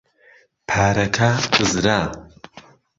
پارەکە دزرا.